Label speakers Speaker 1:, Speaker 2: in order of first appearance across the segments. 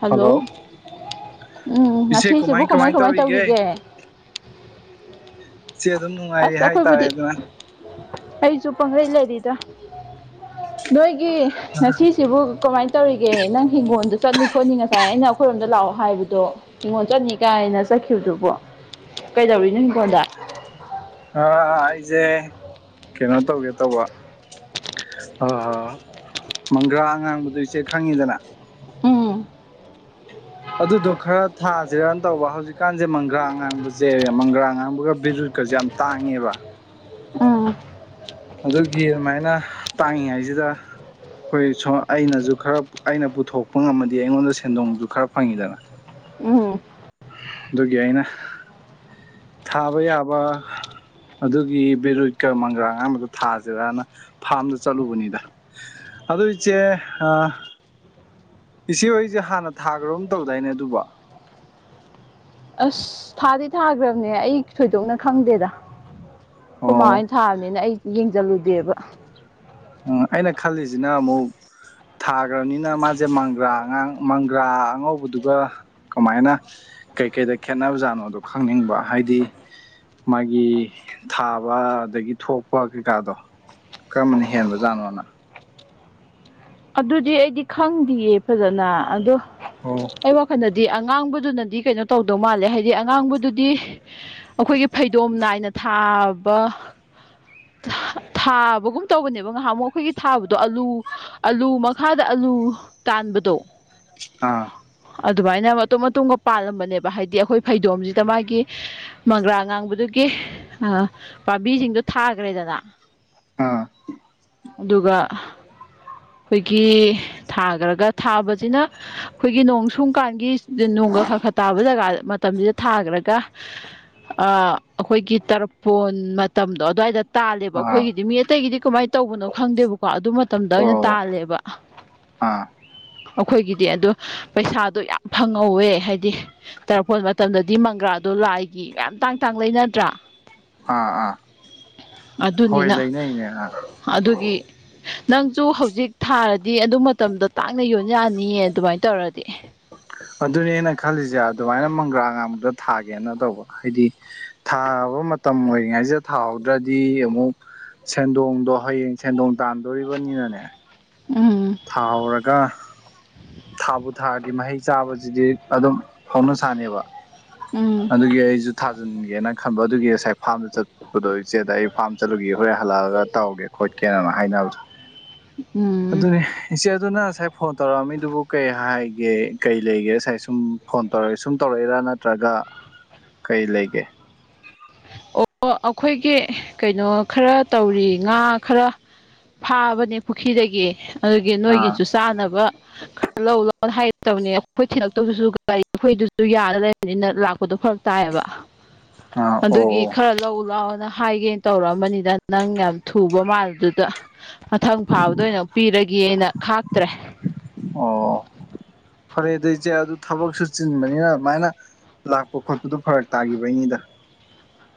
Speaker 1: hello ꯎꯝ ꯉꯁꯤꯁꯤꯕꯨ ꯀꯃꯥꯏ ꯀꯃꯥꯏ ꯇꯧꯈꯤꯒꯦ
Speaker 2: ꯆ‌ꯦ ꯑꯗꯨꯝ ꯅꯨꯡꯉꯥꯏꯔ ꯍꯥꯏꯇꯥꯔꯦ ꯗꯅ
Speaker 1: ꯑꯩꯖꯨ ꯄꯥꯡꯂꯩ ꯂꯩꯔꯤꯗ ꯅꯣꯏꯒꯤ ꯉꯁꯤ ꯁꯤꯕꯨ ꯀꯃꯥꯏꯅ ꯇꯧꯔꯤꯒꯦ ꯅꯪ ꯍꯤꯡꯒꯣꯜꯗ ꯆꯠꯂꯤ ꯈꯣꯠꯂꯤ ꯉꯁꯥꯏ ꯑꯩꯅ ꯑꯩꯈꯣꯏꯔꯣꯝꯗ ꯂꯥꯛꯑꯣ ꯍꯥꯏꯕꯗꯣ ꯍꯤꯒ‌ꯣꯟ ꯆꯠꯅꯤ ꯀꯥꯏꯅ ꯆꯠꯈꯤꯕꯗꯨꯕꯣ ꯀꯩꯗꯧꯔꯤꯅꯣ ꯍꯤꯒ‌ꯣꯟꯗ
Speaker 2: ꯑ ꯑꯩꯖ‌ꯦ ꯀꯩꯅꯣ ꯇꯧꯒꯦ ꯇꯧꯕ ꯑ ꯃꯪꯒ꯭ꯔꯥ ꯑꯉꯥꯡꯕꯗꯣ ꯏꯆꯦ ꯈꯪꯉꯤꯗꯅ
Speaker 1: ꯎꯝ
Speaker 2: ꯑꯗꯨꯗꯣ ꯈꯔ ꯊꯥꯖꯤꯔꯅ ꯇꯧꯕ ꯍꯧꯖꯤꯛꯀꯥꯟꯖ‌ꯦ ꯃꯪꯒ꯭ꯔꯥ ꯑꯉꯥꯡꯕꯖ‌ꯦ ꯃꯪꯒ꯭ꯔꯥ ꯉꯥꯡꯕꯒ ꯕꯤꯔꯨꯠꯀꯖ ꯌꯥꯝ ꯇꯥꯡꯉꯦꯕ
Speaker 1: ꯎꯝ
Speaker 2: ꯑꯗꯨꯒꯤ ꯑꯗꯨꯃꯥꯏꯅ ꯇꯥꯡꯉꯤꯉꯥꯏꯁꯤꯗ ꯑꯩꯈꯣꯏ ꯁꯣ ꯑꯩꯅꯁꯨ ꯈꯔ ꯑꯩꯅ ꯄꯨꯊꯣꯛꯄ ꯉꯝꯃꯗꯤ ꯑꯩꯉꯣꯟꯗ ꯁꯦꯟꯗꯣꯡꯁꯨ ꯈꯔ ꯐꯪꯉꯤꯗꯅ
Speaker 1: ꯎꯝ
Speaker 2: ꯑꯗꯨꯒꯤ ꯑꯩꯅ ꯊꯥꯕ ꯌꯥꯕ ꯑꯗꯨꯒꯤ ꯕꯤꯔꯨꯠꯀ ꯃꯪꯒ꯭ꯔꯥ ꯑꯉꯥꯡꯕꯗ ꯊꯥꯖꯤꯔꯅ ꯐꯥꯝꯗ ꯆꯠꯂꯨꯕꯅꯤꯗ ꯑꯗꯨ ꯏꯆ‌ꯦ ꯑ ꯏꯆꯦ ꯍꯣꯏꯖ‌ꯦ ꯍꯥꯟꯅ ꯊꯥꯒ꯭ꯔꯒꯨꯝ ꯇꯧꯗꯥꯏꯅꯦ ꯑꯗꯨꯕ‌ꯣ
Speaker 1: ꯑꯁ ꯊꯥꯗꯤ ꯊꯥꯒꯔꯝꯅꯦ ꯑꯩ ꯊꯣꯏꯗꯣꯛꯅ ꯈꯪꯗꯦꯗ ꯈ‌‌ꯣ ꯃꯥ
Speaker 2: ꯑꯣ
Speaker 1: ꯑꯣꯏꯅ ꯊꯥꯕꯅꯤꯅ ꯑꯩ ꯌꯦꯡꯖꯜꯂꯨꯗꯦꯕ
Speaker 2: ꯎꯝ ꯑꯩꯅ ꯈꯜꯂꯤꯖꯤꯅ ꯑꯃꯨꯛ ꯊꯥꯈ꯭ꯔꯕꯅꯤꯅ ꯃꯥꯁꯦ ꯃꯪꯒ꯭ꯔꯥ ꯑꯉꯥꯡ ꯃꯪꯒ꯭ꯔꯥ ꯑꯉꯧꯕꯗꯨꯒ ꯀꯃꯥꯏꯅ ꯀꯩꯀꯩꯗ ꯈꯦꯠꯅꯕꯖꯥꯠꯅꯣꯗꯣ ꯈꯪꯅꯤꯡꯕ ꯍꯥꯏꯗꯤ ꯃꯥꯒꯤ ꯊꯥꯕ ꯑꯗꯒꯤ ꯊꯣꯛꯄ ꯀꯩꯀꯥꯗꯣ ꯀꯔꯝꯕꯅꯤ ꯍꯦꯟꯕ ꯖꯥꯅꯣꯅ
Speaker 1: ꯑꯗꯨꯗꯤ ꯑꯩꯗꯤ ꯈꯪꯗꯤꯌꯦ ꯐꯖꯅ ꯑꯗꯣ
Speaker 2: ꯑꯣ
Speaker 1: ꯑꯩ ꯋꯥꯈꯜꯗꯗꯤ ꯑꯉꯥꯡꯕꯗꯨꯅꯗꯤ ꯀꯩꯅꯣ ꯇꯧꯗꯧ ꯃꯥꯜꯂꯦ ꯍꯥꯏꯗꯤ ꯑꯉꯥꯡꯕꯗꯨꯗꯤ ꯑꯩꯈꯣꯏꯒꯤ ꯐꯩꯗꯣꯝ ꯅꯥꯏꯅ ꯊꯥꯕ ꯊꯥꯕꯒꯨꯝ ꯇꯧꯕꯅꯦꯕ ꯉꯍꯥꯃꯨꯛ ꯑꯩꯈꯣꯏꯒꯤ ꯊꯥꯕꯗꯣ ꯑꯂꯨ ꯑꯥꯂꯨ ꯃꯈꯥꯗ ꯑꯂꯨ ꯇꯥꯟꯕꯗꯣ
Speaker 2: ꯑ
Speaker 1: ꯑꯗꯨꯃꯥꯏꯅ ꯃꯇꯨꯝ ꯃꯇꯨꯝꯒ ꯄꯥꯜꯂꯝꯕꯅꯦꯕ ꯍꯥꯏꯗꯤ ꯑꯩꯈꯣꯏ ꯐꯩꯗꯣꯝꯖꯤꯗ ꯃꯥꯒꯤ ꯃꯪꯒ꯭ꯔꯥ ꯉꯥꯡꯕꯗꯨꯒꯤ ꯄꯥꯝꯕꯤꯁꯤꯡꯗ‌ꯣ ꯊꯥꯒ꯭ꯔꯦꯗꯅ
Speaker 2: ꯑꯥ
Speaker 1: ꯑꯗꯨꯒ ꯑꯩꯈꯣꯏꯒꯤ ꯊꯥꯒ꯭ꯔꯒ ꯊꯥꯕꯖꯤꯅ ꯑꯩꯈꯣꯏꯒꯤ ꯅꯣꯡ ꯁꯨꯝ ꯀꯥꯟꯒꯤ ꯅꯣꯡꯒ ꯈꯔ ꯈꯔ ꯇꯥꯕ ꯖꯒꯥ ꯃꯇꯝꯁꯤꯗ ꯊꯥꯈ꯭ꯔꯒ ꯑ ꯑꯩꯈꯣꯏꯒꯤ ꯇꯔꯛꯄꯣꯟ ꯃꯇꯝꯗꯣ ꯑꯗꯨꯋꯥꯏꯗ ꯇꯥꯜꯂꯦꯕ
Speaker 2: ꯑꯥ
Speaker 1: ꯑꯩꯈꯣꯏꯒꯤꯗꯤ ꯃꯤ ꯑꯇꯩꯒꯤꯗꯤ ꯀꯃꯥꯏ ꯇꯧꯕꯅꯣ ꯈꯪꯗꯦꯕꯀꯣ ꯑꯗꯨ ꯃꯇꯝꯗ ꯑꯣꯏꯅ
Speaker 2: ꯑꯣ
Speaker 1: ꯇꯥꯜꯂꯦꯕ
Speaker 2: ꯑꯥ
Speaker 1: ꯑꯩꯈꯣꯏꯒꯤꯗꯤ ꯑꯗꯨ ꯄꯩꯁꯥꯗꯣ ꯌꯥꯝ ꯐꯪꯍꯧꯋꯦ ꯍꯥꯏꯗꯤ ꯇꯔꯄ‌‌ꯣꯟ ꯃꯇꯝꯗꯗꯤ ꯃꯪꯒ꯭ꯔꯥꯗꯣ ꯂꯥꯏꯒꯤ ꯃꯌꯥꯝ ꯇꯥꯡ ꯇꯥꯡ ꯂꯩꯅꯗ꯭ꯔꯥ
Speaker 2: ꯑꯥ ꯑꯥ ꯍꯣꯏ
Speaker 1: ꯑꯗꯨꯅꯤꯅ
Speaker 2: [unintelligible]
Speaker 1: ꯑꯗꯨꯒꯤ ꯅꯪꯖꯨ ꯍꯧꯖꯤꯛ ꯊꯥꯔꯗꯤ ꯑꯗꯨ ꯃꯇꯝꯗ ꯇꯥꯡꯅ ꯌꯣꯟ ꯌꯥꯅꯤꯌꯦ ꯑꯗꯨꯃꯥꯏꯅ ꯇꯧꯔꯗꯤ
Speaker 2: ꯑꯗꯨꯅꯦ ꯑꯩꯅ ꯈꯜꯂꯤꯖ‌ꯦ ꯑꯗꯨꯃꯥꯏꯅ ꯃꯪꯒ꯭ꯔꯥ ꯑꯉꯥꯡꯕꯗ‌ꯣ ꯊꯥꯒꯦꯅ ꯇꯧꯕ ꯍꯥꯏꯗꯤ ꯊꯥꯕ ꯃꯇꯝ ꯑꯣꯏꯔꯤꯉꯩꯖꯤꯗ ꯊꯥꯍꯧꯗ꯭ꯔꯗꯤ ꯑꯃꯨꯛ ꯁꯦꯟꯗꯣꯡꯗꯣ ꯍꯌꯦꯡ ꯁꯦꯟꯗꯣꯡ ꯇꯥꯟꯗꯣꯔꯤꯕꯅꯤꯅꯅꯦ
Speaker 1: ꯎꯝ
Speaker 2: ꯊꯥꯎꯔꯒ ꯊꯥꯕꯨ ꯊꯥꯔꯒꯤ ꯃꯍꯩ ꯆꯥꯕꯁꯤꯗꯤ ꯑꯗꯨꯝ ꯍꯧꯅ ꯁꯥꯥꯅ‌ꯦꯕ
Speaker 1: ꯎꯝ
Speaker 2: ꯑꯗꯨꯒꯤ ꯑꯩꯖꯨ ꯊꯥꯖꯤꯟꯒꯦꯅ ꯈꯟꯕ ꯑꯗꯨꯒꯤ ꯉꯁꯥꯏ ꯐꯥꯔꯝꯗ ꯆꯠ ꯑꯗꯣ ꯏꯆꯦꯗ ꯑꯩ ꯐꯥꯝ ꯆꯠꯂꯨꯒꯦ ꯍꯣꯔꯦꯟ ꯍꯜꯂꯛꯑꯒ ꯇꯧꯒꯦ ꯈꯣꯠꯀꯦꯅ ꯍꯥꯏꯅꯕ
Speaker 1: ꯎꯝ
Speaker 2: ꯑꯗꯨꯅ‌ꯦ ꯏꯆ‌ꯦꯗꯨꯅ ꯉꯁꯥꯏ ꯐꯣꯟ ꯇꯧꯔꯛꯑꯝꯃꯤꯗꯨꯕꯨ ꯀꯩ ꯍꯥꯏꯒꯦ ꯀꯩ ꯂꯩꯒꯦ ꯉꯁꯥꯏ ꯁꯨꯝ ꯐꯣꯟ ꯇꯧꯔꯦ ꯁꯨꯝ ꯇꯧꯔꯛꯏꯔ ꯅꯠꯇ꯭ꯔꯒ ꯀꯩ ꯂꯩꯒꯦ
Speaker 1: ꯑꯣ ꯑꯩꯈꯣꯏꯒꯤ ꯀꯩꯅꯣ ꯈꯔ ꯇꯧꯔꯤ ꯉꯥ ꯈꯔ ꯐꯥꯕꯅꯦ ꯄꯨꯈ꯭ꯔꯤꯗꯒꯤ ꯑꯗꯨꯒꯤ
Speaker 2: ꯑꯥ
Speaker 1: ꯅꯣꯏꯒꯤꯁꯨ ꯆꯥꯅꯕ ꯈꯔ ꯂꯧ ꯂꯥꯎ ꯍꯥꯏꯒ‌ꯦ ꯇꯧꯕꯅꯦ ꯑꯩꯈꯣꯏ ꯊꯤꯂꯛꯇꯧꯗꯨꯁꯨ [inaudible] ꯒꯥꯔꯤ ꯑꯩꯈꯣꯏꯗꯨꯁꯨ ꯌꯥꯗ ꯂꯩꯔ‌ꯦ ꯅꯤꯅ ꯂꯥꯛꯄꯗꯣ ꯐꯔꯛ ꯇꯥꯏꯌꯦꯕ
Speaker 2: [inaudible] ꯑꯣ
Speaker 1: ꯑꯗꯨꯏ
Speaker 2: ꯑꯣ
Speaker 1: ꯈꯔ ꯂꯧꯎ ꯂꯥꯛꯑꯣꯅ ꯍꯥꯏꯒꯦꯅ ꯇꯧꯔꯛꯑꯝꯕꯅꯤꯗ ꯅꯪ ꯌꯥꯝ ꯊꯨꯕ ꯃꯥꯜꯕꯗꯨꯗ ꯃꯊꯪ ꯐꯥꯕꯗ ꯑꯣꯏꯅ ꯄꯤꯔꯒ‌ꯦꯅ ꯈꯥꯛꯇ꯭ꯔꯦ
Speaker 2: ꯑꯣ ꯐꯔꯦ ꯑꯗꯨ ꯏꯆꯦ ꯑꯗꯨ ꯊꯕꯛꯁꯨ ꯆꯤꯟꯕꯅꯤꯅ ꯑꯗꯨꯃꯥꯏꯅ ꯂꯥꯛꯄ ꯈꯣꯠꯄꯗꯣ ꯐꯔꯛ ꯇꯥꯈꯤꯕꯩꯅꯤꯗ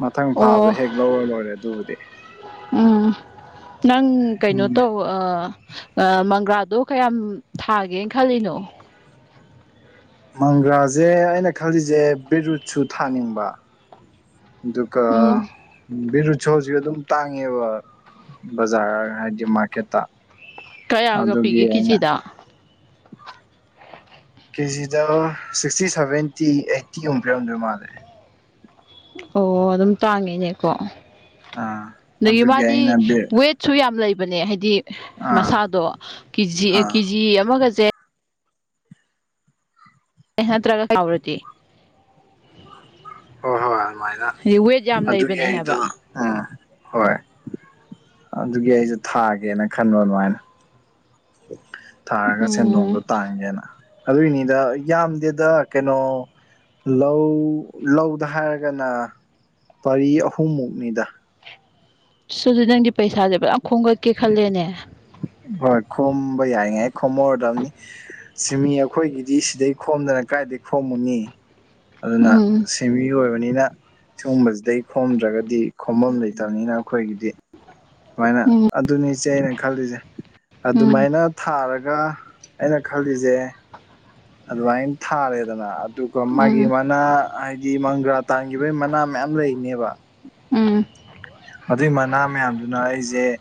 Speaker 2: ꯃꯊꯪ
Speaker 1: ꯑꯣ
Speaker 2: ꯐꯥꯕꯗ ꯍꯦꯛ ꯂꯧꯔ ꯂꯣꯏꯔꯦ ꯑꯗꯨꯕꯨꯗꯤ
Speaker 1: ꯎꯝ ꯅꯪ ꯀꯩꯅꯣ
Speaker 2: ꯎꯝ
Speaker 1: ꯇꯧꯕ ꯑ ꯃꯪꯒ꯭ꯔꯥꯗꯣ ꯀꯌꯥꯝ ꯊꯥꯒꯦꯅ ꯈꯜꯂꯤꯅꯣ
Speaker 2: ꯃꯪꯒ꯭ꯔꯥꯖ‌ꯦ ꯑꯩꯅ ꯈꯜꯂꯤꯖ‌ꯦ ꯕꯤꯠꯔꯨꯠꯁꯨ ꯊꯥꯅꯤꯡꯕ ꯑꯗꯨꯒ
Speaker 1: ꯎꯝ
Speaker 2: ꯕꯤꯔꯨꯠ ꯁꯨ ꯑꯗꯨꯝ ꯇꯥꯡꯉꯦꯕ ꯕꯖꯥꯔ ꯍꯥꯏꯗꯤ ꯃꯥꯔꯀꯦꯠꯇ
Speaker 1: ꯀꯌꯥꯒ
Speaker 2: ꯑꯗꯨꯒꯤ
Speaker 1: ꯄꯤꯒꯦ
Speaker 2: ꯑꯩꯅ
Speaker 1: ꯀꯦꯖꯤꯗ
Speaker 2: ꯀꯦꯖꯤꯗ ꯁꯤꯛꯁꯇꯤ ꯁꯕꯦꯟꯇꯤ ꯑꯩꯠꯇꯤ ꯃꯨꯛ ꯄꯤꯔꯝꯗꯣꯏ ꯃꯥꯜꯂꯦ
Speaker 1: ꯑꯣ ꯑꯗꯨꯝ ꯇꯥꯡꯉꯦꯅꯦꯀꯣ
Speaker 2: ꯑꯥ
Speaker 1: ꯑꯗꯒꯤ
Speaker 2: ꯑꯗꯨꯒꯤ
Speaker 1: ꯃꯥꯗꯤ
Speaker 2: ꯑꯩꯅ ꯕꯤꯠ
Speaker 1: ꯋꯦꯠ ꯁꯨ ꯌꯥꯝ ꯂꯩꯕꯅꯦ ꯍꯥꯏꯗꯤ
Speaker 2: ꯑꯥ
Speaker 1: ꯃꯁꯥꯗꯣ ꯀꯤꯖꯤ
Speaker 2: ꯑꯥ
Speaker 1: ꯀꯦꯖꯤ ꯑꯃꯒꯁꯦ ꯑꯦ ꯅꯠꯇ꯭ꯔꯒ [inaudible] ꯆꯥꯎꯔꯗꯤ
Speaker 2: ꯍꯣꯏ ꯍꯣꯏ ꯑꯗꯨꯃꯥꯏꯅ
Speaker 1: ꯍꯥꯏꯗꯤ ꯋꯦꯠ ꯌꯥꯝ
Speaker 2: ꯑꯗꯨꯒꯤ
Speaker 1: ꯂꯩꯕꯅꯦ ꯍꯥꯏꯕ
Speaker 2: ꯑꯩꯗꯣ ꯑ ꯍꯣꯏ ꯑꯗꯨꯒꯤ ꯑꯩꯖꯨ ꯊꯥꯒꯦꯅ ꯈꯟꯕ ꯑꯗꯨꯃꯥꯏꯅ ꯊꯥꯔꯒ ꯁꯦꯟꯗꯣꯡꯗꯣ
Speaker 1: ꯎꯝ
Speaker 2: ꯇꯥꯟꯒꯦꯅ ꯑꯗꯨꯏꯅꯤꯗ ꯌꯥꯝꯗꯦꯗ ꯀꯩꯅꯣ ꯂꯧ ꯂꯧꯗ ꯍꯥꯏꯔꯒꯅ ꯄꯔꯤ ꯑꯍꯨꯝꯃꯨꯛꯅꯤꯗ
Speaker 1: ꯁꯨꯗꯤ ꯅꯪꯗꯤ ꯄꯩꯁꯥꯁꯦ ꯐꯖꯅ ꯈꯣꯝꯒꯠꯀꯦ ꯈꯜꯂꯦꯅꯦ
Speaker 2: ꯍꯣꯏ ꯈꯣꯝꯕ ꯌꯥꯏꯉꯥꯏ ꯈꯣꯝꯍꯧꯔꯗꯝꯅꯤ ꯁꯤꯃꯤ ꯑꯩꯈꯣꯏꯒꯤꯗꯤ ꯁꯤꯗꯩ ꯈꯣꯝꯗꯅ ꯀꯥꯏꯗꯩ ꯈꯣꯝꯃꯨꯅꯤ ꯑꯗꯨꯅ
Speaker 1: ꯎꯝ
Speaker 2: ꯁꯤꯃꯤ ꯑꯣꯏꯕꯅꯤꯅ ꯁꯤꯒꯨꯝꯕꯁꯤꯗꯩ ꯈꯣꯝꯗ꯭ꯔꯒꯗꯤ ꯈꯣꯕꯝ ꯂꯩꯇꯕꯅꯤꯅ ꯑꯩꯈꯣꯏꯒꯤꯗꯤ ꯁꯨꯃꯥꯏꯅ
Speaker 1: ꯎꯝ
Speaker 2: ꯑꯗꯨꯅꯤꯖ‌ꯦ ꯑꯩꯅ ꯈꯜꯂꯤꯁꯦ
Speaker 1: ꯎꯝ
Speaker 2: ꯑꯗꯨꯃꯥꯏꯅ ꯊꯥꯔꯒ ꯑꯩꯅ ꯈꯜꯂꯤꯖ‌ꯦ ꯑꯗꯨꯃꯥꯏꯅ ꯊꯥꯔꯦꯗꯅ ꯑꯗꯨꯒ ꯃꯥꯒꯤ
Speaker 1: ꯎꯝ
Speaker 2: ꯃꯥꯅ ꯍꯥꯏ ꯒꯤ ꯃꯪꯒ꯭ꯔꯥ ꯇꯥꯟꯈꯤꯕꯩ ꯃꯅꯥ ꯃꯌꯥꯝ ꯂꯩꯅꯦꯕ
Speaker 1: ꯎꯝ
Speaker 2: ꯑꯗꯨꯏ ꯃꯅꯥ ꯃꯌꯥꯝꯗꯨꯅ ꯑꯩꯖ‌ꯦ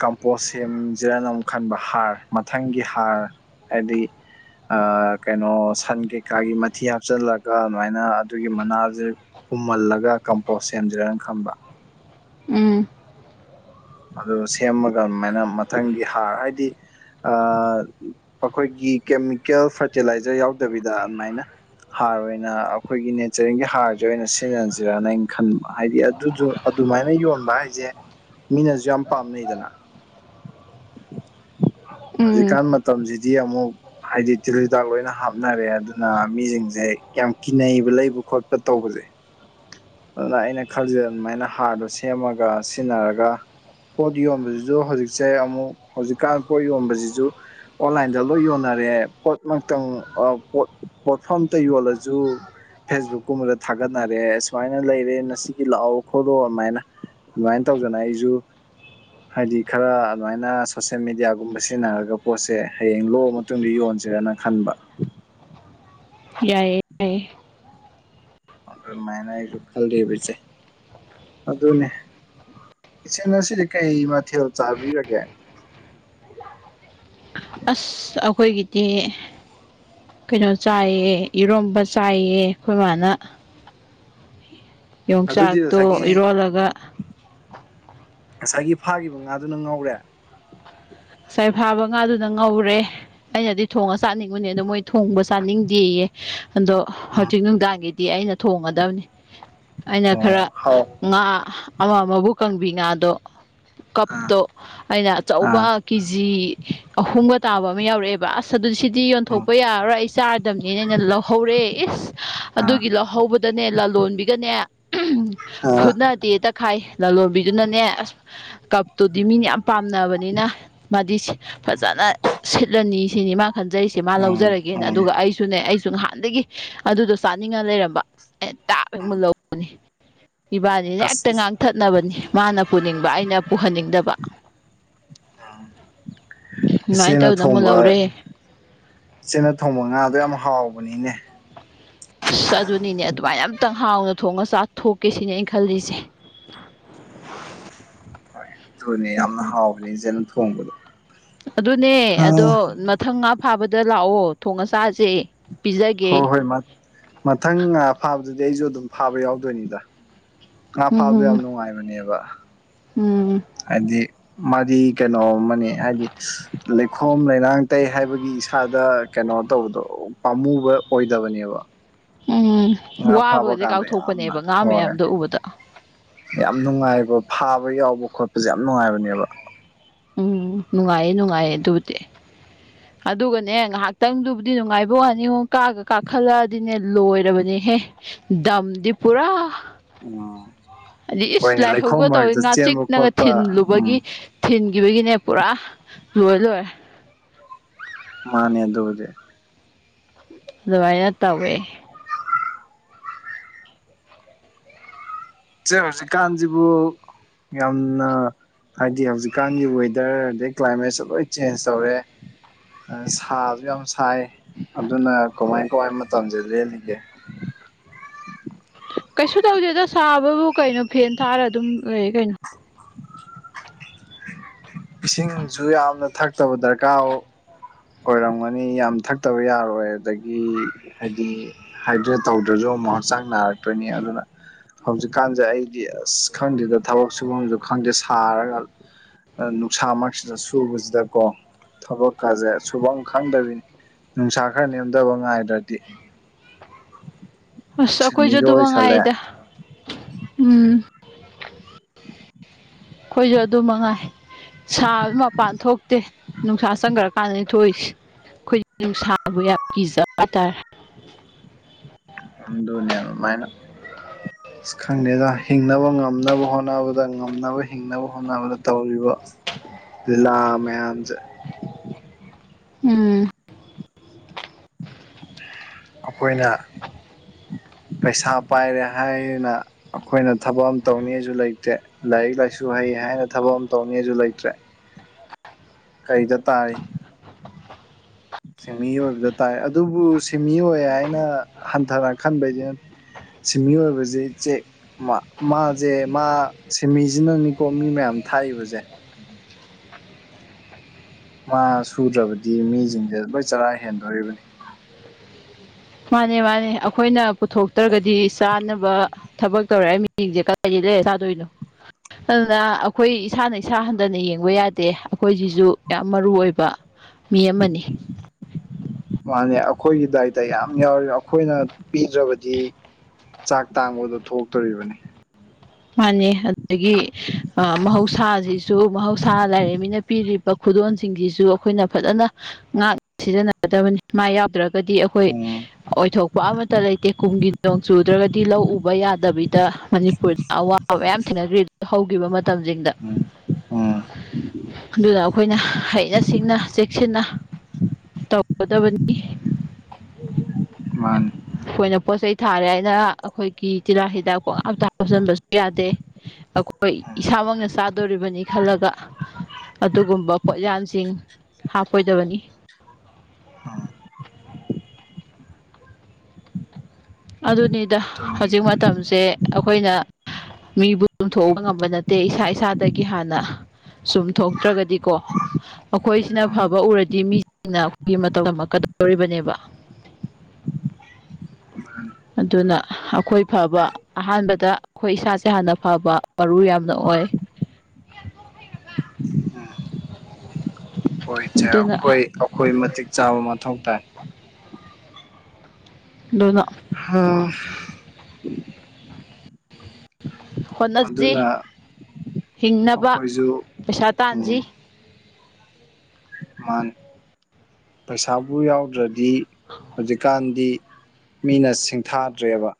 Speaker 2: ꯀꯝꯄꯣꯁ ꯁꯦꯝꯖꯤꯔꯅ ꯑꯃꯨꯛ ꯈꯟꯕ ꯍꯥꯔ ꯃꯊꯪꯒꯤ ꯍꯥꯔ ꯍꯥꯏꯗꯤ ꯀꯩꯅꯣ ꯁꯟ ꯀꯩꯀꯥꯒꯤ ꯃꯊꯤ ꯍꯥꯞꯆꯜꯂꯒ ꯑꯗꯨꯃꯥꯏꯅ ꯑꯗꯨꯒꯤ ꯃꯅꯥꯖ‌ꯦ ꯄꯨꯝꯍꯜꯂꯒ ꯀꯝꯄꯣꯁ ꯁꯦꯝꯖꯤꯔꯅ ꯈꯟꯕ
Speaker 1: ꯎꯝ
Speaker 2: ꯑꯗꯨ ꯁꯦꯝꯃꯒ ꯑꯃꯥꯏꯅ ꯃꯊꯪꯒꯤ ꯍꯥꯔ ꯍꯥꯏꯗꯤ ꯑꯩꯈꯣꯏꯒꯤ ꯀꯦꯃꯤꯀꯦꯜ ꯐꯔꯇꯤꯂꯥꯏꯖꯔ ꯌꯥꯎꯗꯕꯤꯗ ꯑꯃꯥꯏꯅ ꯍꯥꯔ ꯑꯣꯏꯅ ꯑꯩꯈꯣꯏꯒꯤ ꯅꯦꯆꯔꯦꯜꯒꯤ ꯍꯥꯔꯁꯦ ꯑꯣꯏꯅ ꯁꯤꯖꯤꯟꯅꯁꯤꯔꯅ ꯑꯩꯅ ꯈꯟꯕ ꯍꯥꯏꯗꯤ ꯑꯗꯨꯗꯣ ꯑꯗꯨꯃꯥꯏꯅ ꯌꯣꯟꯕ ꯍꯥꯏꯁꯦ ꯃꯤꯅꯁꯨ ꯌꯥꯝ ꯄꯥꯝꯅꯩꯗꯅ
Speaker 1: ꯎꯝ
Speaker 2: ꯍꯧꯖꯤꯛꯀꯥꯟ ꯃꯇꯝꯁꯤꯗꯤ ꯑꯃꯨꯛ ꯍꯥꯏꯗꯤ ꯇꯤꯜ ꯍꯜꯗꯥꯛ ꯂꯣꯏꯅ ꯍꯥꯞꯅꯔꯦ ꯑꯗꯨꯅ ꯃꯤꯁꯤꯡꯁꯦ ꯌꯥꯝ ꯀꯤꯅꯩꯕ ꯂꯩꯕ ꯈꯣꯠꯄ ꯇꯧꯕꯁꯦ ꯑꯗꯨꯅ ꯑꯩꯅ ꯈꯜꯁꯤꯗ ꯑꯗꯨꯃꯥꯏꯅ ꯍꯥꯔꯗꯣ ꯁꯦꯝꯃꯒ ꯁꯤꯖꯤꯟꯅꯔꯒ ꯄꯣꯠ ꯌꯣꯟꯕꯁꯤꯁꯨ ꯍꯧꯖꯤꯛꯁꯦ ꯑꯃꯨꯛ ꯍꯧꯖꯤꯛꯀꯥꯟ ꯄꯣꯠ ꯌꯣꯟꯕꯁꯤꯁꯨ ꯑꯣꯟꯂꯥꯏꯟꯗ ꯂꯣꯏ ꯌꯣꯟꯅꯔꯦ ꯄꯣꯠꯃꯛꯇꯪ ꯑ ꯄꯣꯠ ꯄꯣꯠꯐꯝ ꯡꯇ ꯌꯣꯜꯂꯁꯨ ꯐꯦꯁꯕꯨꯛ ꯀꯨꯝꯕꯗ ꯊꯥꯒꯠꯅꯔꯛꯑꯦ ꯁꯨꯃꯥꯏꯅ ꯂꯩꯔꯦ ꯉꯁꯤꯒꯤ ꯂꯥꯛꯑꯣ ꯈꯣꯠꯂꯣ ꯑꯗꯨꯃꯥꯏꯅ ꯑꯗꯨꯃꯥꯏꯅ ꯇꯧꯗꯅ ꯑꯩꯁꯨ ꯍꯥꯏꯗꯤ ꯈꯔ ꯑꯗꯨꯃꯥꯏꯅ ꯁꯣꯁꯦꯜ ꯃꯦꯗꯤꯌꯥꯒꯨꯝꯕ ꯁꯤꯖꯤꯟꯅꯔꯒ ꯄꯣꯠꯁꯦ ꯍꯌꯦꯡ ꯂꯣꯛ ꯃꯇꯨꯡꯗꯤ ꯌꯣꯟꯁꯦꯔꯅ ꯈꯟꯕ
Speaker 1: ꯌꯥꯏꯌꯦ ꯌꯥꯏ
Speaker 2: ꯑꯗꯨꯃꯥꯏꯅ ꯑꯩꯁꯨ ꯈꯜꯂꯤꯕ ꯏꯆꯦ ꯑꯗꯨꯅꯦ ꯏꯆꯦ ꯑꯁꯤꯗꯤ ꯀꯩ ꯃꯊꯦꯜ ꯆꯥꯕꯤꯔꯒꯦ
Speaker 1: ꯑꯁ ꯑꯩꯈꯣꯏꯒꯤꯗꯤ ꯀꯩꯅꯣ ꯆꯥꯏꯌꯦ ꯏꯔꯣꯝꯕ ꯆꯥꯏꯌꯦ ꯑꯩꯈꯣꯏ ꯃꯥꯅ
Speaker 2: ꯑꯗꯨꯗꯤ
Speaker 1: ꯌꯣꯡꯆꯥꯛꯇꯣ
Speaker 2: ꯉꯁꯥꯏꯒꯤ
Speaker 1: ꯏꯔꯣꯜꯂꯒ
Speaker 2: ꯉꯁꯥꯏꯒꯤ ꯐꯥꯈꯤꯕ ꯉꯥꯗꯨꯅ ꯉꯧꯔꯦ
Speaker 1: ꯉꯁꯥꯏ ꯐꯥꯕ ꯉꯥꯗꯨꯅ ꯉꯧꯔꯦ ꯑꯩꯅꯗꯤ ꯊꯣꯡꯉ ꯆꯥꯅꯤꯡꯕꯨꯅꯦ ꯑꯗꯣ ꯃꯣꯏ ꯊꯣꯡꯕ ꯆꯥꯅꯤꯡꯗꯦꯌꯦ ꯑꯗꯣ
Speaker 2: ꯎꯝ
Speaker 1: ꯍꯧꯖꯤꯛ ꯅꯨꯡꯗꯥꯡꯒꯤꯗꯤ ꯑꯩꯅ ꯊꯣꯡꯒꯗꯕꯅꯤ ꯑꯩꯅ ꯈꯔ
Speaker 2: ꯑꯣ ꯍꯥꯎ
Speaker 1: ꯉꯥ ꯑꯃ ꯑꯃꯕꯨ ꯀꯥꯡꯪꯕꯤ ꯉꯥꯗꯣ
Speaker 2: ꯑꯥ
Speaker 1: ꯀꯞꯇꯣ ꯑꯩꯅ ꯑꯆꯧꯕ
Speaker 2: ꯑꯥ
Speaker 1: ꯀꯦ ꯖꯤ ꯑꯍꯨꯝꯒ ꯇꯥꯕ ꯑꯃ ꯌꯥꯎꯔꯛꯑꯦꯕ ꯑꯁ ꯑꯗꯨꯗꯤ ꯁꯤ ꯗꯤ ꯌꯣꯟꯊꯣꯛꯄ ꯌꯥꯔꯔꯣꯏ ꯑꯩ ꯆꯥꯔꯗꯕꯅꯦꯅ ꯑꯩꯅ ꯂꯧꯍꯧꯔꯦ ꯏꯁ ꯑꯗꯨꯒꯤ ꯂꯧꯍꯧꯕ ꯗꯅꯦ ꯂꯂꯣꯟꯕꯤꯒꯅꯦ ꯎ ꯐꯨꯠꯅꯗꯤ ꯑꯦꯛꯇ ꯈꯥꯏ ꯂꯂꯣꯟꯕꯤꯗꯨꯅꯅꯦ ꯑꯁ ꯀꯞꯇꯨꯗꯤ ꯃꯤꯅꯦ ꯌꯥꯝ ꯄꯥꯝꯅꯕꯅꯤꯅ ꯃꯥꯗꯤ ꯐꯖꯅ ꯁꯤꯠꯂꯅꯤ ꯁꯤꯅꯤ ꯃꯥ ꯈꯟꯖꯔꯤꯁꯦ ꯃꯥ
Speaker 2: ꯎꯝ
Speaker 1: ꯂꯧꯖꯔꯒꯦꯅ
Speaker 2: ꯎꯝ
Speaker 1: ꯑꯗꯨꯒ ꯑꯩꯁꯨꯅꯦ ꯑꯩꯁꯨ ꯅꯍꯥꯟꯗꯒꯤ ꯑꯗꯨꯗꯣ ꯆꯥꯅꯤꯡꯉ ꯂꯩꯔꯝꯕ ꯑꯦ ꯇꯥꯕ ꯍ ꯃꯨ ꯂꯧꯕꯅꯤ ꯏꯕꯥꯅꯤꯅ ꯍꯦꯛꯇ
Speaker 2: ꯑꯁ
Speaker 1: ꯉꯥꯡꯊꯠꯅꯕꯅꯤ ꯃꯥꯅ ꯄꯨꯅꯤꯡꯕ ꯑꯩꯅ ꯄꯨꯍꯟꯅꯤꯡꯗꯕ ꯑꯗꯨꯃꯥꯏꯅ
Speaker 2: ꯏꯆꯦꯅ
Speaker 1: ꯇꯧꯗꯅ ꯑꯃꯨꯛ
Speaker 2: ꯊꯣꯡꯕ
Speaker 1: ꯂꯧꯔꯦ
Speaker 2: ꯏꯆꯦꯅ ꯊꯣꯡꯕ ꯉꯥꯗꯣ ꯌꯥꯝ ꯍꯥꯎꯕꯅꯤꯅꯦ
Speaker 1: ꯑꯁ ꯑꯗꯨꯅꯤꯅꯦ ꯑꯗꯨꯃꯥꯏꯅ ꯑꯝꯇꯪ ꯍꯥꯎꯅ ꯊꯣꯡꯉ ꯆꯥꯊꯣꯛꯀꯦ ꯁꯤꯅꯦ ꯑꯩꯅ ꯈꯜꯂꯤꯁꯦ
Speaker 2: ꯍꯣꯏ ꯑꯗꯨꯅꯦ ꯌꯥꯝꯅ ꯍꯥꯎꯕꯅꯤ ꯏꯖꯦꯅ ꯊꯣꯡꯕꯗꯣ
Speaker 1: ꯑꯗꯨꯅꯦ ꯑꯗꯣ ꯃꯊꯪ ꯉꯥ ꯐꯥꯕꯗ ꯂꯥꯛꯑꯣ ꯊꯣꯡ ꯑꯆꯥꯁꯦ
Speaker 2: ꯍꯣꯏ ꯍꯣꯏ ꯃꯊꯪ ꯐꯥꯕꯗꯨꯗꯤ ꯑꯩꯁꯨ ꯑꯗꯨꯝ ꯐꯥꯕ ꯌꯥꯎꯗꯣꯏꯅꯤꯗ ꯉꯥ ꯐꯥꯕꯗꯣ ꯌꯥꯝ
Speaker 1: ꯎꯝ
Speaker 2: ꯅꯨꯡꯉꯥꯏꯕꯅꯦꯕ
Speaker 1: ꯎꯝ
Speaker 2: ꯍꯥꯏꯕꯗꯤ ꯃꯥꯗꯤ ꯀꯩꯅꯣ ꯑꯃꯅꯤꯅꯦ ꯍꯥꯏꯗꯤ ꯂꯩꯈꯣꯝ ꯂꯩꯅꯥꯡ ꯇꯩ ꯍꯥꯏꯕꯒꯤ ꯏꯁꯥꯗ ꯀꯩꯅꯣ ꯇꯧꯕꯗꯣ ꯄꯥꯝꯃꯨꯕ ꯑꯣꯏꯗꯕꯅꯦꯕ
Speaker 1: ꯎꯝ
Speaker 2: ꯉ ꯐꯕ
Speaker 1: ꯋꯥꯕꯒꯗꯤ
Speaker 2: ꯀꯥꯟꯗ ꯌꯥꯝꯅ
Speaker 1: ꯀꯥꯎꯊꯣꯛꯄꯅꯦꯕ ꯉꯥ
Speaker 2: ꯍꯣꯏ
Speaker 1: ꯃꯌꯥꯝꯗꯣ ꯎꯕꯗ
Speaker 2: ꯌꯥꯝ ꯅꯨꯡꯉꯥꯏꯕ ꯐꯥꯕ ꯌꯥꯎꯕ ꯈꯣꯠꯄꯁꯦ ꯌꯥꯝ ꯅꯨꯡꯉꯥꯏꯕꯅꯦꯕ
Speaker 1: ꯎꯝ ꯅꯨꯡꯉꯥꯏꯌꯦ ꯅꯨꯡꯉꯥꯏꯌꯦ ꯑꯗꯨꯕꯨꯗꯤ
Speaker 2: ꯑ
Speaker 1: ꯑꯗꯨꯒꯅꯦ ꯉꯥꯏꯍꯥꯛꯇꯪꯗꯨꯕꯨꯗꯤ ꯅꯨꯡꯉꯥꯏꯕ ꯍꯅꯤꯉꯣ ꯀꯥꯑꯒ ꯀꯥꯈꯠꯂꯛꯑꯗꯤꯅꯦ ꯂꯣꯏꯔꯕꯅꯦꯍꯦ ꯗꯝꯗꯤ ꯄꯨꯔꯥ
Speaker 2: ꯎꯝ
Speaker 1: ꯑꯗꯩ ꯏꯁ
Speaker 2: ꯍꯣꯏꯅꯦ
Speaker 1: ꯂꯥꯏꯍꯧꯒ
Speaker 2: ꯂꯩꯈꯣꯝ
Speaker 1: ꯇꯧꯋꯦ
Speaker 2: ꯃꯔꯛꯇ ꯆꯦꯟꯕ
Speaker 1: ꯉꯥꯆꯤꯛꯅꯒ
Speaker 2: ꯈꯣꯠꯄ
Speaker 1: ꯊꯤꯟꯂꯨꯕꯒꯤ
Speaker 2: ꯎꯝ
Speaker 1: ꯊꯤꯟꯈꯤꯕꯒꯤꯅꯦ ꯄꯨꯔꯥ ꯂꯣꯏ ꯂꯣꯏꯔꯦ
Speaker 2: ꯃꯥꯅꯦ ꯑꯗꯨꯕꯨꯗꯤ
Speaker 1: ꯑꯗꯨꯃꯥꯏꯅ ꯇꯧꯋꯦ
Speaker 2: ꯏꯆꯦ ꯍꯧꯖꯤꯛꯀꯥꯟꯖꯤꯕꯨ ꯌꯥꯝꯅ ꯍꯥꯏꯗꯤ ꯍꯧꯖꯤꯛꯀꯥꯟꯒꯤ ꯋꯦꯗꯔ ꯑꯗꯩ ꯀ꯭ꯂꯥꯏꯃꯦꯠꯁꯨ ꯂꯣꯏ ꯆꯦꯟꯖ ꯇꯧꯔꯦ ꯁꯥꯖꯨ ꯌꯥꯝ ꯁꯥꯏ ꯑꯗꯨꯅ ꯀꯃꯥꯏ ꯀꯃꯥꯏ ꯃꯇꯝꯖꯦ ꯂꯦꯜꯂꯤꯒꯦ
Speaker 1: ꯀꯩꯁꯨ ꯇꯧꯗꯦꯗ ꯁꯥꯕꯕꯨ ꯀꯩꯅꯣ ꯐꯦꯟ ꯊꯥꯔ ꯑꯗꯨꯝ ꯂꯩ ꯀꯩꯅꯣ
Speaker 2: ꯏꯁꯤꯡꯁꯨ ꯌꯥꯝꯅ ꯊꯛꯇꯕ ꯗꯔꯀꯥꯔ ꯑꯣꯏ ꯑꯣꯏꯔꯝꯒꯅꯤ ꯌꯥꯝ ꯊꯛꯇꯕ ꯌꯥꯔꯣꯏ ꯑꯗꯒꯤ ꯍꯥꯏꯗꯤ ꯍꯥꯏꯗ꯭ꯔꯦꯠ ꯇꯧꯗ꯭ꯔꯁꯨ ꯑꯃꯨꯛ ꯍꯛꯆꯥꯡ ꯅꯥꯔꯛꯇꯣꯏꯅꯤ ꯑꯗꯨꯅ ꯍꯧꯖꯤꯛꯀꯥꯟꯖꯦ ꯑꯩꯗꯤ ꯑꯁ ꯈꯪꯗꯦꯗ ꯊꯕꯛ ꯁꯨꯕꯝꯖꯨ ꯈꯪꯗꯦ ꯁꯥꯔꯒ ꯅꯨꯡꯁꯥꯃꯔꯛꯁꯤꯗ ꯁꯨꯕꯖꯤꯗꯀꯣ ꯊꯕꯛꯀꯁꯦ ꯁꯨꯕꯝ ꯈꯪꯗꯕꯤꯅꯤ ꯅꯨꯡꯁꯥ ꯈꯔ ꯅꯦꯝꯗꯕ ꯉꯥꯏꯗ꯭ꯔꯗꯤ
Speaker 1: ꯑꯁ ꯑꯩꯈꯣꯏꯁꯨ
Speaker 2: ꯁꯤꯟꯃꯤꯒ
Speaker 1: ꯑꯗꯨꯃ
Speaker 2: ꯑꯣꯏꯁꯜꯂꯦ
Speaker 1: ꯉꯥꯏꯗ ꯎꯝ ꯈꯣꯏꯖꯨ ꯑꯗꯨ ꯃꯉꯥꯏ ꯁꯥꯕ ꯃꯄꯥꯟ ꯊꯣꯛꯇꯦ ꯅꯨꯡꯁꯥ ꯆꯪꯈꯒ꯭ꫪ ꯀꯥꯟꯗꯅꯦ ꯊꯣꯛꯏꯁꯦ ꯑꯩꯈꯣꯏꯒꯤ ꯅꯨꯡꯁꯥꯕꯨ ꯌꯥꯝ ꯀꯤꯖꯕ ꯍꯥꯏꯇꯥꯔꯦ
Speaker 2: ꯑꯗꯨꯅꯦ ꯑꯗꯨꯃꯥꯏꯅ ꯏꯁ ꯈꯪꯗꯦꯗ ꯍꯤꯡꯅꯕ ꯉꯝꯅꯕ ꯍꯣꯠꯅꯕ ꯍꯣꯠꯅꯕꯗ ꯉꯝꯅꯕ ꯍꯤꯡꯅꯕ ꯍꯣꯠꯅꯕꯗ ꯇꯧꯔꯤꯕ ꯂꯤꯂꯥ ꯃꯌꯥꯝ
Speaker 1: ꯎꯝ
Speaker 2: ꯑꯩꯈꯣꯏꯅ ꯄꯩꯁꯥ ꯄꯥꯏꯔꯦ ꯍꯥꯏꯔꯦꯅ ꯑꯩꯈꯣꯏꯅ ꯊꯕꯛ ꯑꯃ ꯇꯧꯅꯤꯖꯨ ꯂꯩꯇ꯭ꯔꯦ ꯂꯥꯏꯔꯤꯛ ꯂꯥꯏꯁꯨ ꯍꯩ ꯍꯥꯏꯅ ꯊꯕꯛ ꯑꯃ ꯇꯧꯅꯤꯖꯨ ꯂꯩꯇ꯭ꯔꯦ ꯀꯩꯗ ꯇꯥꯥꯏ ꯁꯤꯟꯃꯤ ꯑꯣꯏꯕꯗ ꯇꯥꯏ ꯑꯗꯨꯕꯨ ꯁꯤꯟꯃꯤ ꯑꯣꯏꯌꯦ ꯍꯥꯏꯅ ꯍꯟꯊꯅ ꯈꯟꯕꯩꯗꯤ ꯅꯠꯇꯦ ꯁꯤꯟꯃꯤ ꯑꯣꯏꯕꯖꯦ ꯆꯦꯛ ꯃꯥꯁꯦ ꯃꯥ ꯁꯤꯟꯃꯤꯖꯤꯅꯅꯤꯀꯣ ꯃꯤ ꯃꯌꯥꯝ ꯊꯥꯛꯏꯕꯖꯦ ꯃꯥ ꯁꯨꯗ꯭ꯔꯕꯗꯤ ꯃꯤꯖꯤꯡꯖꯦ ꯂꯣꯏ ꯆꯔꯥ ꯍꯦꯟꯗꯣꯔꯤꯕꯅꯤ
Speaker 1: ꯃꯥꯅꯦ ꯃꯥꯅꯦ ꯑꯩꯈꯣꯏꯅ ꯄꯨꯊꯣꯛꯇ꯭ꯔꯒꯗꯤ ꯆꯥꯅꯕ ꯊꯕꯛ ꯇꯧꯔꯦ ꯍꯥꯏ ꯃꯤꯖꯤꯡꯖꯦ ꯀꯗꯥꯏꯗꯩ ꯂꯩꯔ ꯆꯥꯗꫭꯏꯅꯣ ꯑꯗꯨꯅ ꯑꯩꯈꯣꯏ ꯏꯁꯥꯅ ꯏꯁꯥ ꯍꯟꯗꯅ ꯌꯦꯡꯕ ꯌꯥꯗꯦ ꯑꯩꯈꯣꯏꯖꯤꯖꯨ ꯌꯥꯝ ꯃꯔꯨ ꯑꯣꯏꯕ ꯃꯤ ꯑꯃꯅꯤ
Speaker 2: ꯃꯥꯅꯦ ꯑꯩꯈꯣꯏꯒꯤ ꯗꯥꯏꯇ ꯌꯥꯝ ꯌꯥꯎꫪꯤ ꯑꯩꯈꯣꯏꯅ ꯄꯤꯗ꯭ꯔꯕꯗꯤ ꯆꯥꯛ ꯇꯥꯡꯕꯗꯣ ꯊꯣꯛꯇꯣꯔꯤꯕꯅꯤ
Speaker 1: ꯃꯥꯅꯦ ꯑꯗꯨꯗꯒꯤ ꯑ ꯃꯍꯧꯁꯥꯖꯤꯁꯨ ꯃꯍꯧꯁꯥ ꯂꯥꯏꯔꯦꯝꯕꯤꯅ ꯄꯤꯔꯤꯕ ꯈꯨꯗꯣꯜꯁꯤꯡꯁꯤꯁꯨ ꯑꯩꯈꯣꯏꯅ ꯐꯖꯅ ꯉꯥꯛ ꯁꯤꯖꯤꯟꯅ ꯃꯥꯥꯏ ꯌꯥꯎꯗ꯭ꯔꯒꯗꯤ ꯑꯩꯈꯣꯏ
Speaker 2: ꯎꯝ
Speaker 1: ꯑꯣꯏꯊꯣꯛꯄ ꯑꯃꯠꯇ ꯂꯩꯇꯦ ꯀꯨꯝꯒꯤ ꯅꯣꯡ ꯆꯨꯗ꯭ꯔꯒꯗꯤ ꯂꯧ ꯎꯕ ꯌꯥꯗꯕꯤꯗ ꯃꯅꯤꯄꯨꯔꯗ ꯑꯋꯥꯕ ꯃꯌꯥꯝ ꯊꯦꯡꯅꯒꯔꯤꯗꫭ ꯍꯧꯈꯤꯕ ꯃꯇꯝ ꯃꯇꯝꯖꯤꯡꯗ
Speaker 2: ꯎꯝ ꯎꯝ
Speaker 1: ꯑꯗꯨꯗ ꯑꯩꯈꯣꯏꯅ ꯍꯩꯅ ꯁꯤꯡꯅ ꯆꯦꯛꯁꯤꯟꯅ ꯇꯧꯒꯗꯕꯅꯤ
Speaker 2: ꯃꯥꯥꯅꯤ
Speaker 1: ꯑꯩꯈꯣꯏꯅ ꯄꯣꯠ ꯆꯩꯩ ꯊꯥꯔꯦ ꯍꯥꯏꯅ ꯑꯩꯈꯣꯏꯒꯤ ꯇꯤꯜꯂꯥ ꯍꯤꯗꯥꯛ ꯄꯪꯍꯥꯞ ꯇꯥ ꯍꯞꯆꯟꯕꯁꯨ ꯌꯥꯗꯦ ꯑꯩꯈꯣꯏ
Speaker 2: ꯎꯝ
Speaker 1: ꯏꯁꯥꯃꯛꯅ ꯆꯥꯗꯣꯔꯤꯕꯅꯤ ꯈꯜꯂꯒ ꯑꯗꯨꯒꯨꯝꯕ ꯄꯣꯠꯌꯥꯟꯁꯤꯡ ꯍꯥꯞꯄꯣꯏꯗꯕꯅꯤ
Speaker 2: ꯎꯝ
Speaker 1: ꯑꯗꯨꯅꯤꯗ
Speaker 2: ꯑꯗꯨꯅꯤ
Speaker 1: ꯍꯧꯖꯤꯛ ꯃꯇꯝꯁꯦ ꯑꯩꯈꯣꯏꯅ ꯃꯤꯕꯨ ꯆꯨꯝꯊꯣꯛꯎꯕ ꯉꯝꯕ ꯅꯠꯇꯦ ꯏꯁꯥ ꯏꯁꯥꯗꯒꯤ ꯍꯥꯟꯅ ꯆꯨꯝꯊꯣꯛꯇ꯭ꯔꯒꯗꯤꯀꯣ ꯑꯩꯈꯣꯏꯁꯤꯅ
Speaker 2: ꯎꯝ
Speaker 1: ꯐꯕ ꯎꯔꯗꯤ ꯃꯤꯁꯤꯡꯅ ꯑꯩꯈꯣꯏꯒꯤ ꯃꯇꯧ ꯇꯝꯃꯛꯀꯗꯧꯔꯤꯕꯅꯦꯕ
Speaker 2: ꯃꯥꯅꯤ
Speaker 1: ꯑꯗꯨꯅ ꯑꯩꯈꯣꯏ ꯐꯕ ꯑꯍꯥꯟꯕꯗ ꯑꯩꯈꯣꯏ ꯏꯁꯥꯁꯦ ꯍꯥꯟꯅ ꯐꯕ ꯃꯔꯨ ꯌꯥꯝꯅ ꯑꯣꯏ
Speaker 2: ꯎꯝ ꯍꯣꯏꯁꯦ
Speaker 1: ꯑꯗꯨꯅ
Speaker 2: ꯑꯩꯈꯣꯏ ꯑꯩꯈꯣꯏ ꯃꯇꯤꯛ ꯆꯥꯕ ꯃꯊꯧ ꯇꯥꯏ
Speaker 1: ꯇꯣꯅꯣ
Speaker 2: ꯍꯥ
Speaker 1: ꯍꯣꯠꯅꯁꯤ
Speaker 2: ꯑꯗꯨꯅ
Speaker 1: ꯍꯤꯡꯅꯕ
Speaker 2: ꯑꯩꯈꯣꯏꯁꯨ
Speaker 1: ꯄꯩꯁꯥ ꯇꯥꯟꯁꯤ
Speaker 2: ꯃꯥ ꯄꯩꯁꯥꯕꯨ ꯌꯥꯎꯗ꯭ꯔꯗꯤ ꯍꯧꯖꯤꯛꯀꯥꯟꯗꯤ ꯃꯤꯅ ꯁꯤꯡꯊꯥꯗ꯭ꯔꯦꯕ